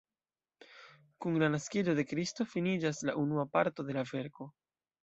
Kun la naskiĝo de Kristo finiĝas la unua parto de la verko.